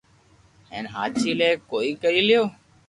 ھين ھاچي لي ڪوئي ڪري ليو